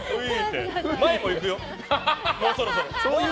前もいくよ、もうそろそろ。